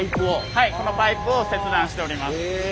はいこのパイプを切断しております。